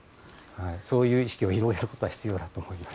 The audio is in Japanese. そういう意識を広げることは必要だと思います。